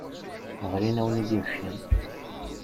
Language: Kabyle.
Ɣlin-awen-id ibeccan.